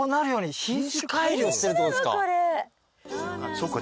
そっか。